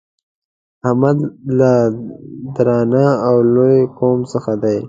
احمد له درانه او لوی قوم څخه دی.